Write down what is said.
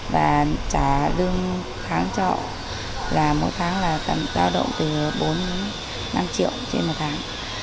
và trả lương tháng trọ là một tháng là cao động từ bốn năm triệu trên một tháng